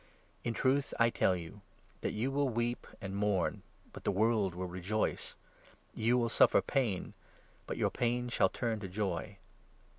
In truth I tell you 20 that you will weep and mourn, but the world will rejoice ; you will suffer pain, but your pain shall turn to joy.